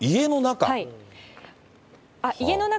家の中？